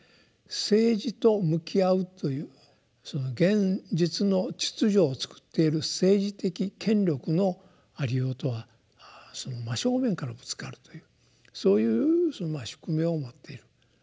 政治と向き合うという現実の秩序をつくっている政治的権力のありようとは真正面からぶつかるというそういう宿命を持っている。